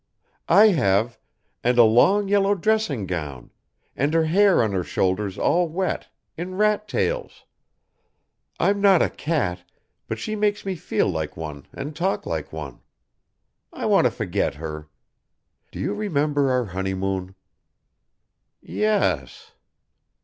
"I have and a long yellow dressing gown, and her hair on her shoulders all wet, in rat tails. I'm not a cat, but she makes me feel like one and talk like one. I want to forget her. Do you remember our honeymoon?" "Yes."